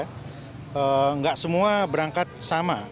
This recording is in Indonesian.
tidak semua berangkat sama